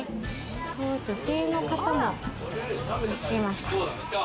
女性の方もいらっしゃいました。